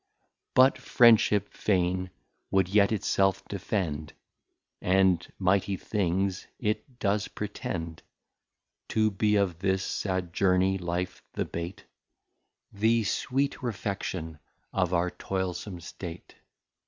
V. But Friendship fain would yet itself defend, And Mighty Things it does pretend, To be of this Sad Journey, Life, the Baite, The sweet Refection of our toylsome State.